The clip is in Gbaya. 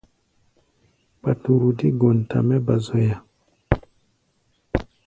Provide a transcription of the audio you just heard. Paturu dé gɔnta mɛ́ ba zoya.